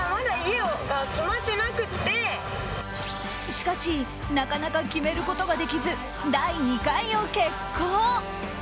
しかしなかなか決めることができず第２回を決行。